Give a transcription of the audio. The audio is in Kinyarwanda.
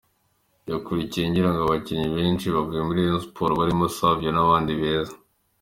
Yakurikiye ngira ngo abakinnyi benshi bavuye muri Rayon Sports barimo Savio n’abandi beza.